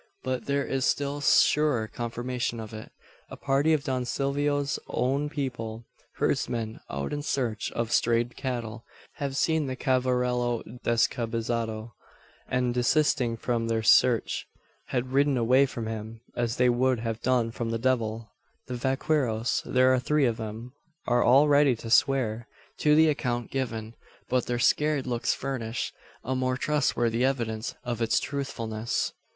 But there is still surer confirmation of it. A party of Don Silvio's own people herdsmen out in search of strayed cattle have seen the cavallero descabezado; and, desisting from their search, had ridden away from him, as they would have done from the devil! The vaqueros there are three of them are all ready to swear to the account given. But their scared looks furnish a more trustworthy evidence of its truthfulness.